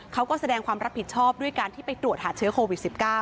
เขาก็แสดงความรับผิดชอบด้วยการที่ไปตรวจหาเชื้อโควิด๑๙